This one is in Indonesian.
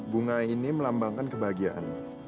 bunga ini melambangkan kebahagiaan